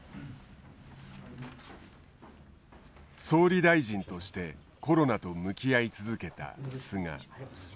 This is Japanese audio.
総理大臣としてコロナと向き合い続けた菅。